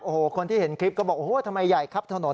โอ้โหคนที่เห็นคลิปก็บอกโอ้โหทำไมใหญ่ครับถนน